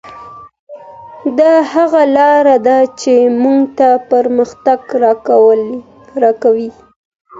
دا هغه لاره ده چي موږ ته پرمختګ راکوي.